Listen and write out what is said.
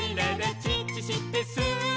「チッチしてスー」ス